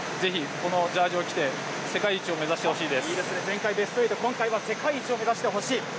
ぜひこのジャージを着て、世界一を目指してほしいです。